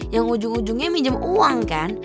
yang ujung ujungnya minjem uang kan